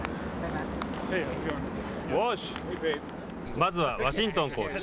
まずはワシントンコーチ。